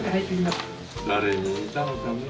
誰に似たのかね。